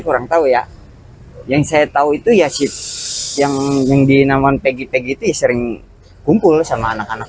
kurang tahu ya yang saya tahu itu ya sip yang dinaman peggy peggy sering kumpul sama anak anak